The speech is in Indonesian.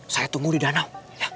saya tunggu di danau